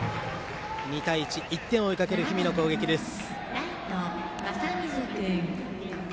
２対１、１点を追いかける氷見の攻撃です。